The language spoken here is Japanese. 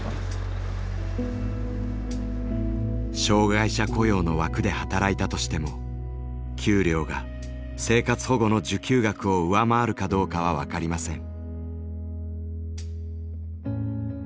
障害者雇用の枠で働いたとしても給料が生活保護の受給額を上回るかどうかは分かりません。